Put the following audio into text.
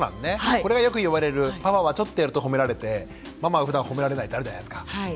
これがよく言われるパパはちょっとやると褒められてママはふだん褒められないってあるじゃないですか。